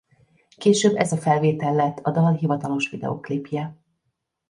Később ez a felvétel lett a dal hivatalos videóklipje.